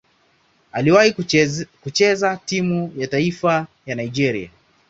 Aliwahi kucheza timu ya taifa ya Nigeria.